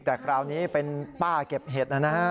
แต่คราวนี้เป็นป้าเก็บเห็ดนะฮะ